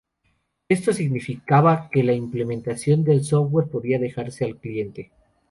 Esto significaba que la implementación del software podía dejarse al cliente.